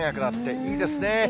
いいですね。